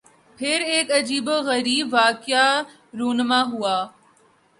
پھر ایک عجیب و غریب واقعہ رُونما ہوا